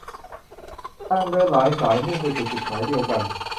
ทางเดินหลายสายมุ่งไปสู่จุดหมายเดียวกัน